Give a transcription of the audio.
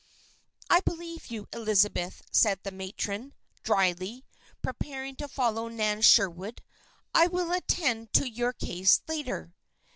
"I believe you, Elizabeth," said the matron, drily, preparing to follow Nan Sherwood. "I will attend to your case later."